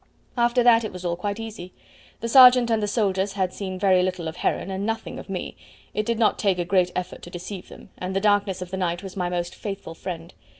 After that it was all quite easy. The sergeant and the soldiers had seen very little of Heron and nothing of me; it did not take a great effort to deceive them, and the darkness of the night was my most faithful friend.